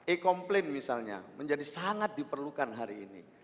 e komplain misalnya menjadi sangat diperlukan hari ini